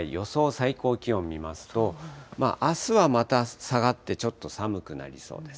最高気温を見ますと、あすはまた下がってちょっと寒くなりそうです。